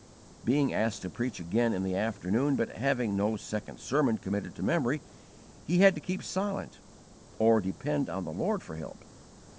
Being asked to preach again in the afternoon, but having no second sermon committed to memory, he had to keep silent, or _depend on the Lord for help.